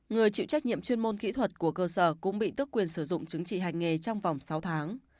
người chịu trách nhiệm chuyên môn kỹ thuật của cơ sở cũng bị tức quyền sử dụng chứng trị hành nghề trong vòng sáu tháng